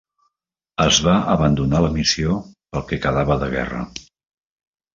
Es va abandonar la missió pel que quedava de guerra.